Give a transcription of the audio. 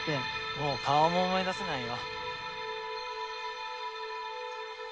もう顔も思い出せないわ。